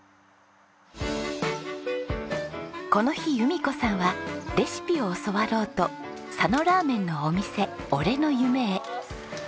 この日由美子さんはレシピを教わろうと佐野らーめんのお店「俺の夢」へ。